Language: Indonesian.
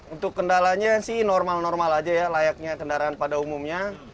untuk kendalanya sih normal normal aja ya layaknya kendaraan pada umumnya